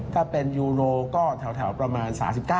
ถ้าเป็นยูโนก็แถวประมาณ๓๙